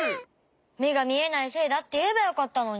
めがみえないせいだっていえばよかったのに。